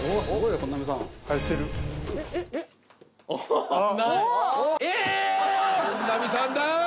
本並さんだ！